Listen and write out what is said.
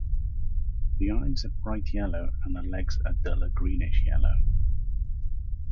The eyes are bright yellow and the legs a duller greenish-yellow.